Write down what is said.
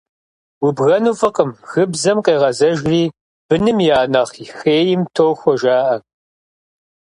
Убгэну фӏыкъым, гыбзэм къегъэзэжри быным я нэхъ хейм тохуэ, жаӀэ.